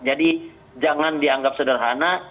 jadi jangan dianggap sederhana